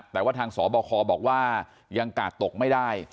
แต่ว่าทางสบคบอกว่ายังกาดตกไม่ได้